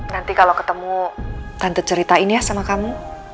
nanti kalau ketemu tante ceritain ya sama kamu